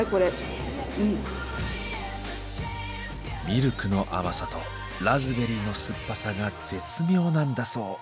ミルクの甘さとラズベリーの酸っぱさが絶妙なんだそう。